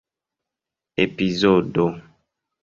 epizodo